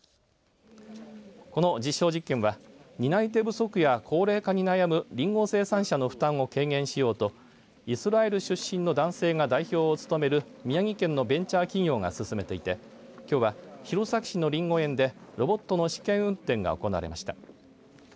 この実証実験は、担い手不足や高齢化に悩むりんご生産者の負担を軽減しようとイスラエル出身の男性が代表を務める宮城県のベンチャー企業が進めていてきょうは弘前市のりんご園でロボットの試験運転が行われました。